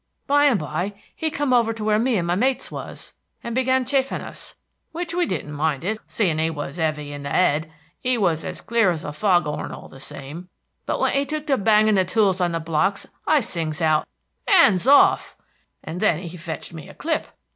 By and by he come over to where me and my mates was, and began chaffin' us, which we didn't mind it, seeing he was 'eavy in the 'ead. He was as clear as a fog 'orn all the same. But when he took to banging the tools on the blocks, I sings out, ''Ands off!' and then he fetched me a clip.